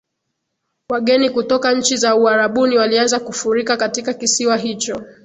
wageni kutoka nchi za Uarabuni walianza kufurika katika kisiwa hicho